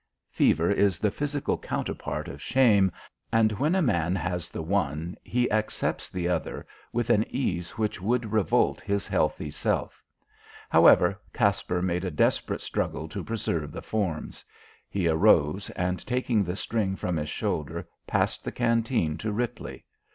Fever is the physical counterpart of shame, and when a man has the one he accepts the other with an ease which would revolt his healthy self. However, Caspar made a desperate struggle to preserve the forms. He arose and taking the string from his shoulder, passed the canteen to Ripley.